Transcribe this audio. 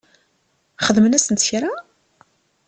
Xedmen-asent kra?